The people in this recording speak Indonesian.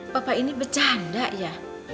papa ini bercanda ya